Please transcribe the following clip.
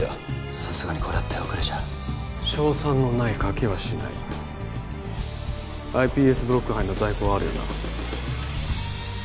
さすがにこれは手遅れじゃ勝算のない賭けはしないｉＰＳブロック肺の在庫はあるよな？